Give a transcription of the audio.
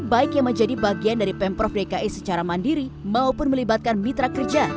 baik yang menjadi bagian dari pemprov dki secara mandiri maupun melibatkan mitra kerja